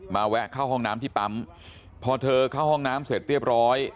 แวะเข้าห้องน้ำที่ปั๊มพอเธอเข้าห้องน้ำเสร็จเรียบร้อย